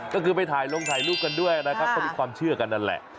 ก็ไปความเชื่อกันนั่นแหละ